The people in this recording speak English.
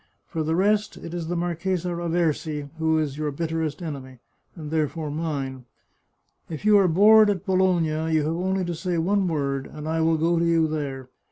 For the rest, it is the Marchesa Raversi who is your bitterest enemy, and therefore mine. If you arc bored at Bologna, you have only to say one word, and I will go to you there.